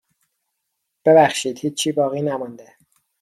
ببخشید هیچی باقی نمانده.